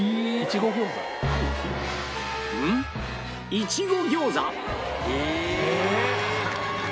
いちご餃子？